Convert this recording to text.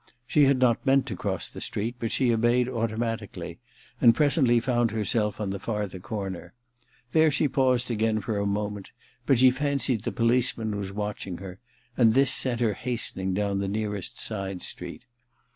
She had not meant to cross the street, but she obeyed automatically, and presently found her self on the farther corner. There she paused again for a moment ; but she fancied the policeman was watching her, and this sent her hastening down the nearest side street.